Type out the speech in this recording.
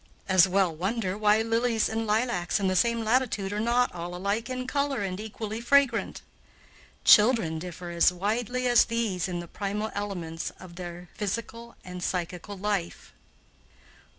As well wonder why lilies and lilacs in the same latitude are not all alike in color and equally fragrant. Children differ as widely as these in the primal elements of their physical and psychical life.